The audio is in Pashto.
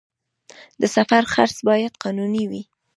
د سفر خرڅ باید قانوني وي